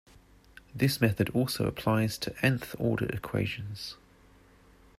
The method also applies to n-th order equations.